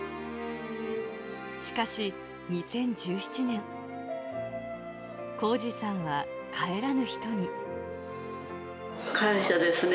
しかし、２０１７年、感謝ですね。